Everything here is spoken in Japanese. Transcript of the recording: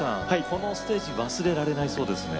このステージ忘れられないそうですね。